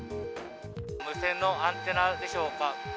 無線のアンテナでしょうか。